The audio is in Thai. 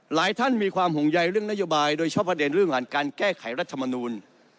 หลายท่านมีความห่วงใยเรื่องนโยบายโดยเฉพาะประเด็นเรื่องหลังการแก้ไขรัฐมนูล